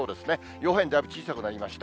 予報円、だいぶ小さくなりました。